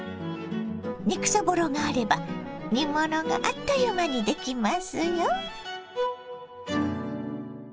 肉そぼろがあれば煮物があっという間にできますよ。